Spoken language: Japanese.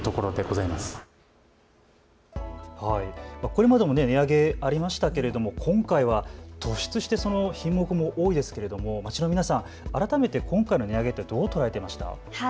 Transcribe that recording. これまでも値上げ、ありましたけれども今回は突出して品目も多いですけれども街の皆さん、改めて今回の値上げどう捉えていましたか。